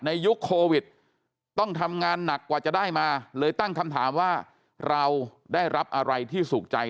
ยุคโควิดต้องทำงานหนักกว่าจะได้มาเลยตั้งคำถามว่าเราได้รับอะไรที่สุขใจ